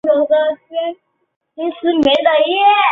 营业时间与泳池相同。